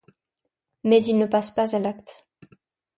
Mais il ne passe pas à l'acte.